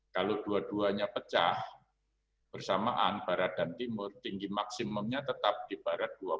kalau dua duanya pecah bersamaan barat dan timur tinggi maksimumnya tetap di barat